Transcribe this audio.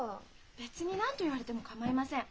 別に何と言われても構いません。